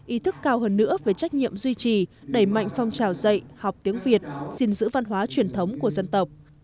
ý thức cao hơn nữa về trách nhiệm duy trì đẩy mạnh phong trào dạy học tiếng việt xin giữ văn hóa truyền thống của dân tộc